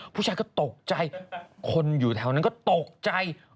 ผู้ชายก็ตกใจคนอยู่แถวนั้นก็ตกใจ